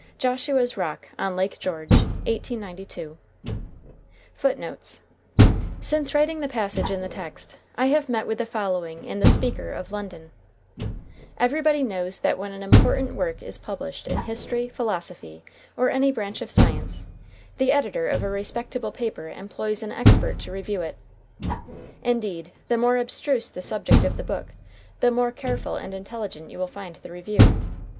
JOSHUA'S ROCK ON LAKE GEORGE, 1892. FOOTNOTES: [Footnote 1: Since writing the passage in the text, I have met with the following in The Speaker, of London: "Everybody knows that when an important work is published in history, philosophy, or any branch of science, the editor of a respectable paper employs an expert to review it; ... indeed, the more abstruse the subject of the book, the more careful and intelligent you will find the review.